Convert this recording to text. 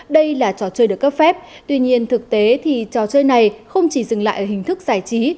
đây là trò chơi được cấp phép tuy nhiên thực tế thì trò chơi này không chỉ dừng lại ở hình thức giải trí